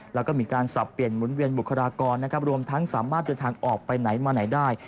แล้วก็มีการสับเปลี่ยนหมุนเวียนบุคลากรนะครับรวมทั้งสามารถเดินทางออกไปไหนมาไหนได้